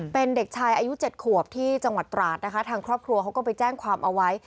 เป็นเด็กชายอายุ๗ขวบที่จังหวัดตราดนะคะทางครอบครัวเขาก็ไปแจ้งความเอาไว้